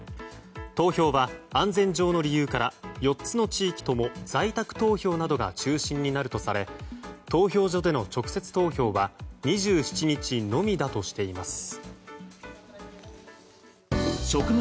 投票は安全上の理由から４つの地域とも在宅投票などが中心になるとされ投票所での直接投票は２７日のみだとしています。